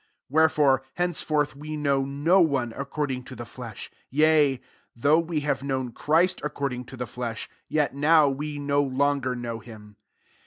16 Where bre, henceforth we "know no »ne according to the £esh : yea, hough we have known Christ according to the flesh, yet now ire no longer know him.